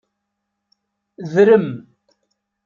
Drem.